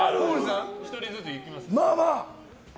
１人ずついきますか？